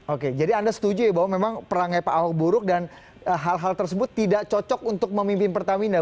oke jadi anda setuju ya bahwa memang perangnya pak ahok buruk dan hal hal tersebut tidak cocok untuk memimpin pertamina